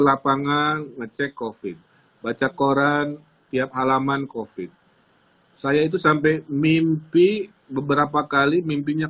lapangan ngecek kofi baca koran tiap halaman kofit saya itu sampai mimpi beberapa kali mimpinya